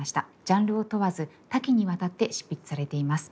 ジャンルを問わず多岐にわたって執筆されています。